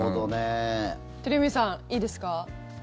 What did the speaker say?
鳥海さん、いいですか。